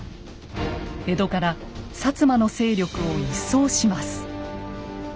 江戸から摩の勢力を一掃します。